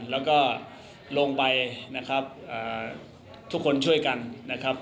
แล้วก็ลงไปนะครับทุกคนช่วยกันนะครับ